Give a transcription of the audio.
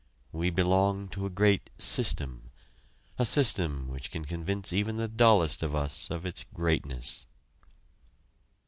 We belong to a great system; a system which can convince even the dullest of us of its greatness.